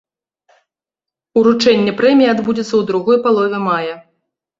Уручэнне прэміі адбудзецца ў другой палове мая.